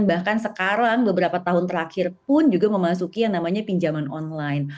bahkan sekarang beberapa tahun terakhir pun juga memasuki yang namanya pinjaman online